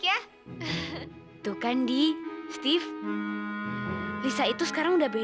lihat dia udah jadi anak yang baik